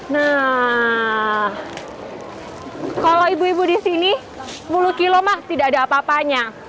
nah kalau ibu ibu di sini sepuluh kilo mah tidak ada apa apanya